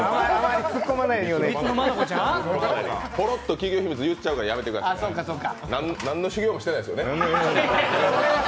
ぽろっと言っちゃうからやめてくださいなんの修業もしていないですよね？